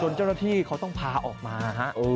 ส่วนเจ้าหน้าที่เขาต้องพาออกมา